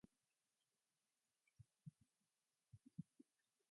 His presidency failed because of a pre-existing monetary crisis.